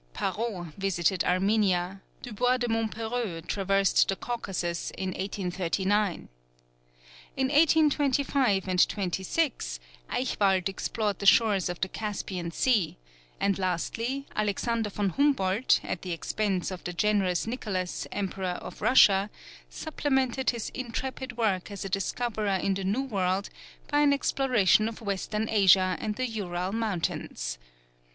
Parrot visited Armenia; Dubois de Monpereux traversed the Caucasus in 1839. In 1825 and 1826, Eichwald explored the shores of the Caspian Sea; and lastly, Alexander von Humboldt at the expense of the generous Nicholas, Emperor of Russia, supplemented his intrepid work as a discoverer in the New World by an exploration of Western Asia and the Ural Mountains.